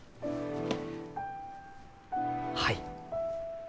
はい。